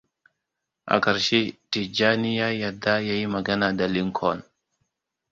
A ƙarshe Tijjani ya yarda ya yi magana da Lincoln.